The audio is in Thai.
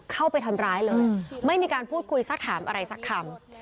เข้าไปทำร้ายเลยไม่มีการพูดคุยสักถามอะไรสักคำ